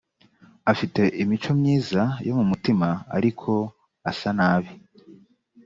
afite imico myiza yo mu mutima ariko asa nabi